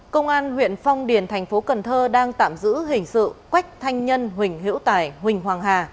công an huyện phong điền thành phố cần thơ đang tạm giữ hình sự quách thanh nhân huỳnh hiễu tài huỳnh hoàng hà